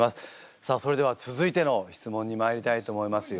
さあそれでは続いての質問にまいりたいと思いますよ。